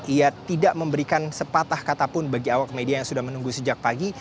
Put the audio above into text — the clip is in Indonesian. ia tidak memberikan sepatah katapun bagi awak media yang sudah menunggu sejak pagi